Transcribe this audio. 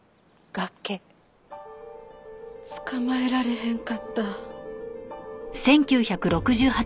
つかまえられへんかった。